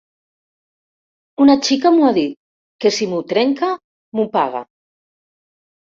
Una xica m’ho ha dit, que si m’ho trenca m’ho paga;